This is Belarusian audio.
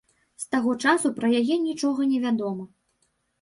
З таго часу пра яе нічога не вядома.